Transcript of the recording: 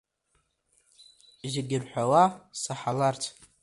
Зегь ирҳәауа саҳаларц.